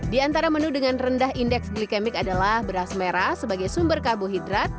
di antara menu dengan rendah indeks glikemik adalah beras merah sebagai sumber karbohidrat